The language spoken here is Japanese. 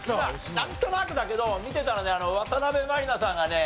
なんとなくだけど見てたらね渡辺満里奈さんがね